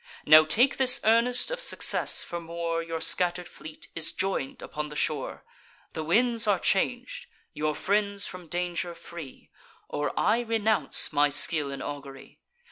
Now take this earnest of success, for more: Your scatter'd fleet is join'd upon the shore; The winds are chang'd, your friends from danger free; Or I renounce my skill in augury.